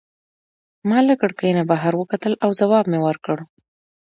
ما له کړکۍ نه بهر وکتل او ځواب مي ورکړ.